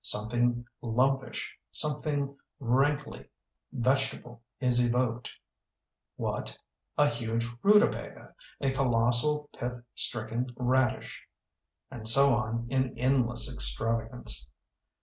Something lumpish, some thing rankly vegetable is evoked. What? A huge rutabaga; a colossal pith stricken radish". And so on in endless extravagance.